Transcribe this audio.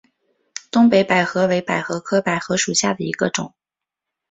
东北百合为百合科百合属下的一个种。